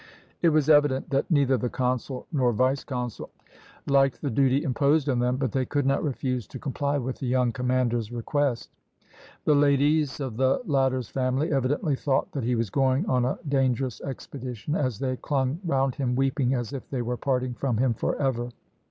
It was evident that neither the consul nor vice consul liked the duty imposed on them, but they could not refuse to comply with the young commander's request. The ladies of the latter's family evidently thought that he was going on a dangerous expedition, as they clung round him, weeping, as if they were parting from him for ever.